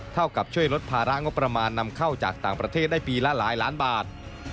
เท่ากับช่วยลดภาระงบประมาณนำเข้าจากต่างประเทศได้ปีละหลายล้านบาท